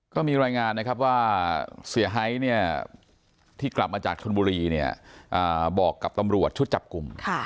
ก็มีรายงานนะครับว่าเสียหายเนี่ยที่กลับมาจากชนบุรีเนี่ยบอกกับตำรวจชุดจับกลุ่ม